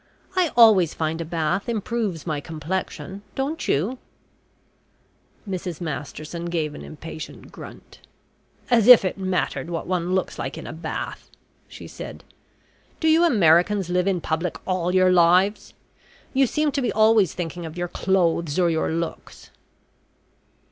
I always find a bath improves my complexion, don't you?" Mrs Markham gave an impatient grunt. "As if it mattered what one looks like in a bath!" she said. "Do you Americans live in public all your lives? You seem to be always thinking of your clothes, or your looks!"